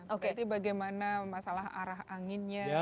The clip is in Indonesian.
berarti bagaimana masalah arah anginnya